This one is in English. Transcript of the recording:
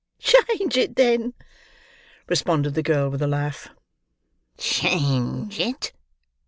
"Change it, then!" responded the girl, with a laugh. "Change it!"